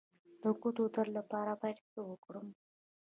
د ګوتو د درد لپاره باید څه وکړم؟